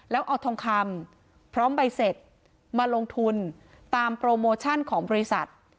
แล้วเอาทองคำพร้อมใบเสร็จมาลงทุนตามโปรโมชั่นของบริษัท